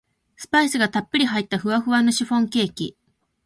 スパイスがたっぷり入ったふわふわのシフォンケーキ